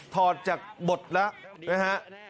ถอดจากบทแล้วนะครับ